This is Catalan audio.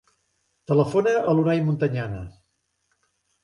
Telefona a l'Unai Montañana.